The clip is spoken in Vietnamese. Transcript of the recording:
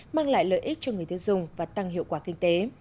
mang lại lợi ích cho người tiêu dùng và tăng hiệu quả kinh tế